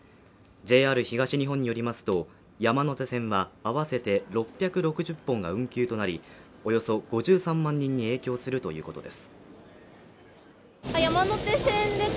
ＪＲ東日本によりますと山手線は合わせて６６０本が運休となりおよそ５３万人に影響するということです